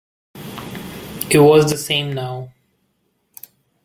It was the same now.